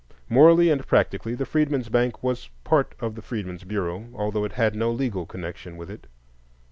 Morally and practically, the Freedmen's Bank was part of the Freedmen's Bureau, although it had no legal connection with it.